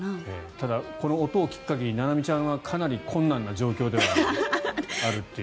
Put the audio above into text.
ただ、この音をきっかけにななみちゃんはかなり困難な状況ではあるという。